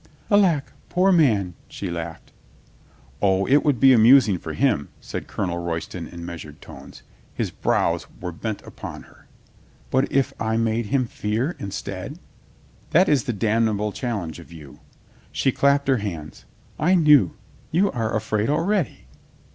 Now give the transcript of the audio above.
"Alack, poor man !" she laughed. "O, it would be amusing for him," said Colonel Royston in measured tones. His brows were bent upon her. "But if I made him fear instead?" "That is the damnable challenge of you." She clapped her hands. "I knew ! You are afraid already."